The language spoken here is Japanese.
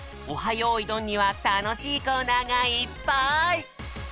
よいどん」にはたのしいコーナーがいっぱい！